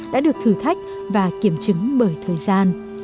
đã được thử thách và kiểm chứng bởi thời gian